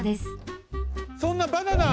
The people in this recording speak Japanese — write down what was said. そんなバナナ！